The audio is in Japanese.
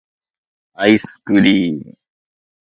愛♡スクリ～ム!